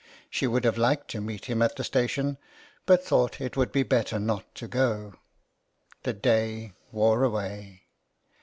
She would have liked to meet him at the station, but thought it would be better not to go. The day wore away.